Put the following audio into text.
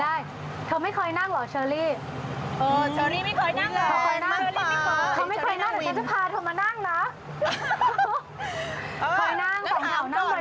แล้วแถวนี้เปลี่ยนไปนั่งรถสปอร์ตแล้วไง